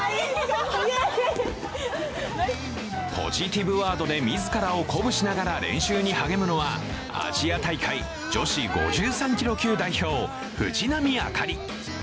ポジティブワードで自らを鼓舞しながら練習に励むのはアジア大会女子５３キロ級代表藤波朱理。